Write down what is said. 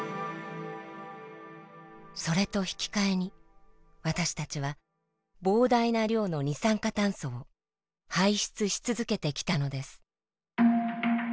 それと引き換えに私たちは膨大な量の二酸化炭素を排出し続けてきたのです。